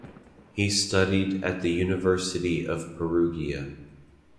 He studied at the University of Perugia.